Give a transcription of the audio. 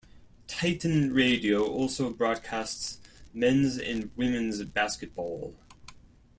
Titan Radio also broadcasts men's and women's basketball.